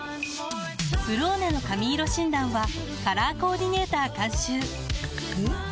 「ブローネ」の髪色診断はカラーコーディネーター監修おっ！